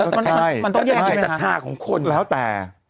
ทางแต่